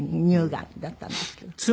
乳がんだったんですけど。